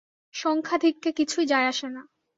সংখ্যাধিক্যে কিছুই যায় আসে না।